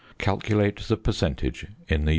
Calculate the percentage in the usual way.